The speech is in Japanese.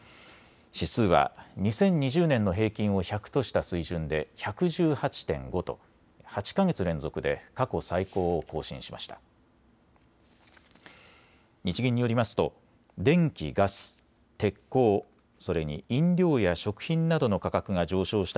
指数は２０２０年の平均を１００とした水準で１１８．５と８か月連続で過去最高を更新しました。